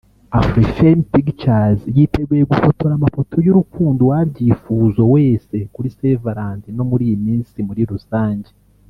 Afrifame pictures yiteguye gufotora amafoto y'urukundo uwabyifuzo wese kuri Saint Valentin no muri iyi minsi muri rusange